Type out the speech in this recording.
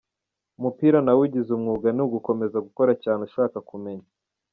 Umupira nawugize umwuga ni ugukomeza gukora cyane ushaka kumenya.